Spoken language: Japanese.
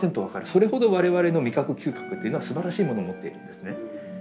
それほど我々の味覚嗅覚っていうのはすばらしいもの持っているんですね。